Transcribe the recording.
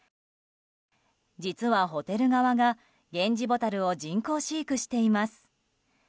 実は、ホテル側がゲンジボタルを人工飼育しています。